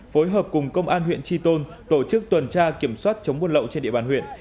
phối hợp cùng công an huyện tri tôn tổ chức tuần tra kiểm soát chống buôn lậu trên địa bàn huyện